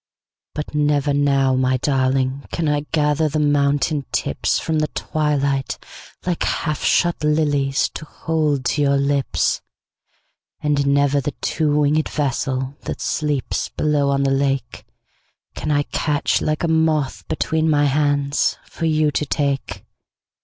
But never now, my darlingCan I gather the mountain tipsFrom the twilight like half shut liliesTo hold to your lips. And never the two winged vesselThat sleeps below on the lakeCan I catch like a moth between my handsFor you to take.